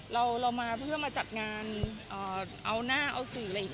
เรามาเพื่อมาจัดงานเอาหน้าเอาสื่อ